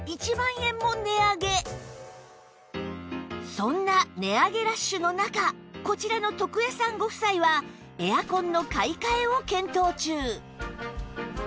そんな値上げラッシュの中こちらの徳江さんご夫妻はエアコンの買い替えを検討中